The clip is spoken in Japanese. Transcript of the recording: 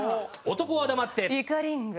男は黙って。